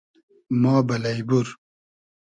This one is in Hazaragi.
ما بئلݷ بور